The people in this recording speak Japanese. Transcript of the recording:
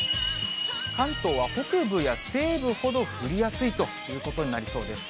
関東は北部や西部ほど降りやすいということになりそうです。